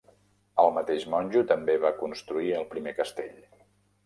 El mateix monjo també va construir el primer castell.